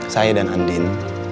saya dan andin